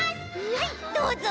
はいどうぞ。